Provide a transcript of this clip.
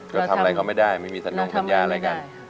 ก็ทำอะไรก็ไม่ได้ไม่มีสนุนปัญญาอะไรกันเราทำอะไรก็ไม่ได้